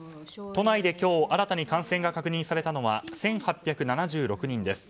都内で今日新たに感染が確認されたのは１８７６人です。